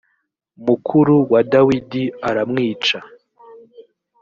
mukuru wa dawidi aramwica